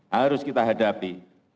harus kita hadapi